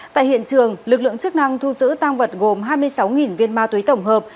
tại hiện trường lực lượng chức năng thu giữ tăng vật gồm hai mươi sáu viên ma túy tổng hợp